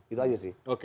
itu aja sih